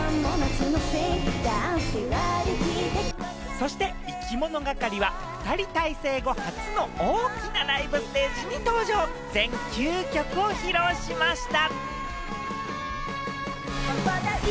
そして、いきものがかりは２人体制後、初の大きなライブステージに登場、全９曲を披露しました。